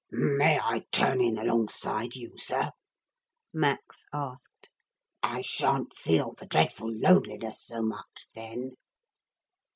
'May I turn in alongside you, sir?' Max asked. 'I shan't feel the dreadful loneliness so much then.'